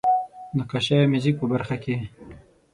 نقاشۍ او موزیک په برخه کې.